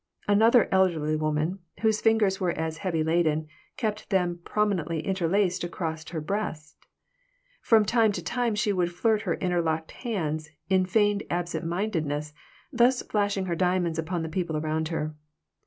Another elderly woman, whose fingers were as heavily laden, kept them prominently interlaced across her breast. From time to time she would flirt her interlocked hands, in feigned absent mindedness, thus flashing her diamonds upon the people around her.